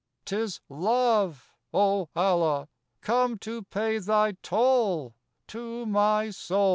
T is Love, O Allah, come to pay thy toll To my soul.